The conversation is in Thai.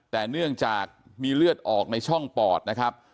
แต่เนื่องจากมีเลือดออกในช่องปอดนะครับ